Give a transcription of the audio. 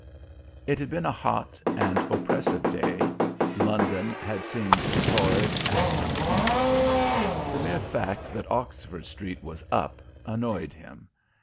It had been a hot and oppressive day; London had seemed torrid and uncomfortable. The mere fact that Oxford street was "up" annoyed him.